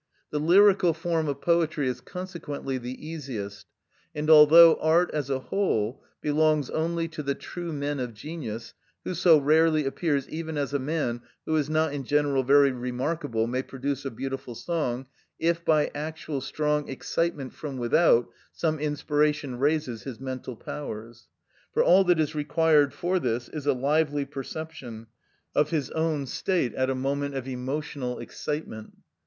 The lyrical form of poetry is consequently the easiest, and although art, as a whole, belongs only to the true man of genius, who so rarely appears, even a man who is not in general very remarkable may produce a beautiful song if, by actual strong excitement from without, some inspiration raises his mental powers; for all that is required for this is a lively perception of his own state at a moment of emotional excitement.